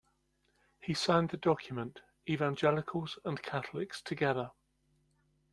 He signed the document Evangelicals and Catholics Together.